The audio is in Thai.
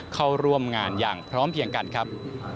เข้าร่วมงานอย่างพร้อมเพียงกันครับ